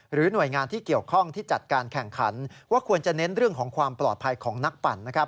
หน่วยงานที่เกี่ยวข้องที่จัดการแข่งขันว่าควรจะเน้นเรื่องของความปลอดภัยของนักปั่น